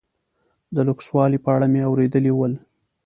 د لوکسوالي په اړه مې اورېدلي ول.